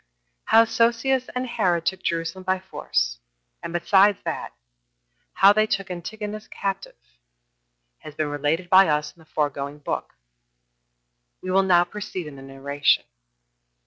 1. How Sosius and Herod took Jerusalem by force; and besides that, how they took Antigonus captive, has been related by us in the foregoing book. We will now proceed in the narration.